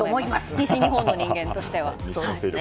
西日本の人間としては。